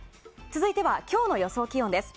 続いては今日の予想気温です。